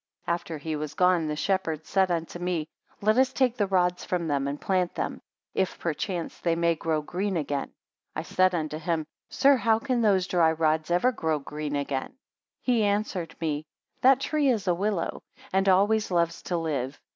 16 After he was gone, the shepherd said unto me; Let us take the rods from them, and plant them; if perchance they may grow green again. I said unto him; Sir, how can those dry rods ever grow green again? 17 He answered me; That tree. is a willow, and always loves to live.